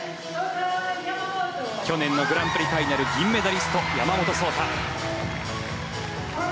去年のグランプリファイナル銀メダリスト、山本草太。